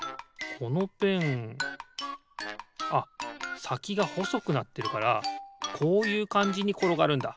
このペンあっさきがほそくなってるからこういうかんじにころがるんだ。